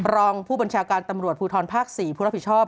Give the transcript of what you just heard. รองผู้บัญชาการตำรวจภูทรภาค๔ผู้รับผิดชอบ